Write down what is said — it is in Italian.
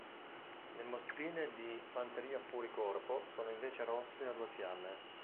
Le mostrine di Fanteria Fuori Corpo sono invece rosse a due fiamme.